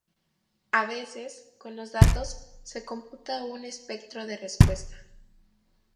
A veces, con los datos, se computa un espectro de respuesta.